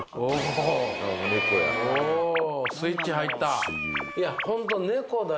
スイッチ入った。